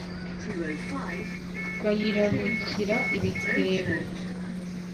Bayirabukira ibitebo